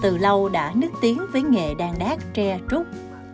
từ lâu đã nước tiếng với nghề đan đác tre trúc